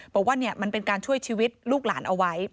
บอกว่ามันเป็นการช่วยชีวิตลูกหลานเอาไว้